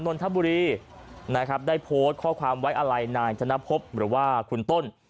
นนทบุรีนะครับได้โพสต์ข้อความไว้อะไรนายธนพบหรือว่าคุณต้น